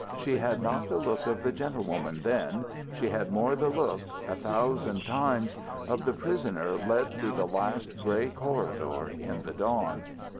She had not the look of the gentlewoman then; she had more the look, a thousand times, of the prisoner led through the last gray corridor in the dawn.